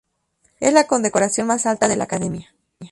Es la condecoración más alta de la Academia.